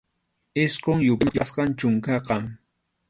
Isqun yupayman huk yapasqam chunkaqa.